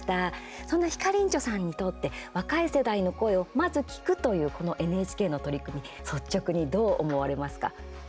そんなひかりんちょさんにとって若い世代の声をまず聴くというこのＮＨＫの取り組み率直にどう思われますか？